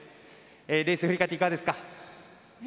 レース、振り返っていかがですか。